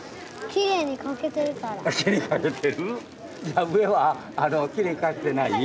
きれいに描けてない？